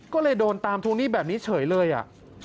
ก็เลยโดนตามทวงหนี้แบบนี้เฉยเลยอ่ะ